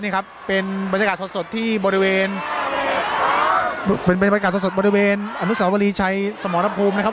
นี่ครับเป็นบรรยากาศสดที่บริเวณเป็นบรรยากาศสดบริเวณอนุสาวรีชัยสมรภูมินะครับ